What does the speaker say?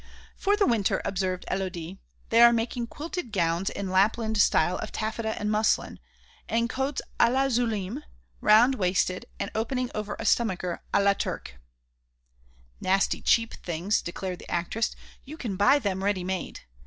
"For the winter," observed Élodie, "they are making quilted gowns in Lapland style of taffeta and muslin, and coats à la Zulime, round waisted and opening over a stomacher à la Turque." "Nasty cheap things," declared the actress, "you can buy them ready made.